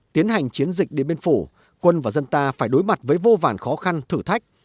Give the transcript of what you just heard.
tiến hành chiến dịch điện biên phủ quân và dân ta phải đối mặt với vô vàn khó khăn thử thách